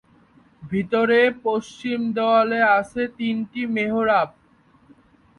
ভিতরে পশ্চিম দেয়ালে আছে তিনটি মেহরাব।